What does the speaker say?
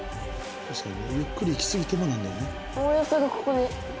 ゆっくり行きすぎてもなんだよね。